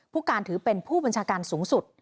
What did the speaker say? ผู้การถือเป็นผู้บัญชาการสูงสุด